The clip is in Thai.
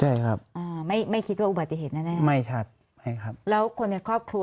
ใช่ครับอ่าไม่ไม่คิดว่าอุบัติเหตุแน่แน่ไม่ชัดไม่ครับแล้วคนในครอบครัว